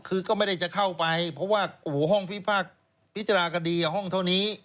คือก็ไม่ได้จะเข้าไปเพราะว่าโอ้โหห้องพิจารณาคดีห้องเท่านี้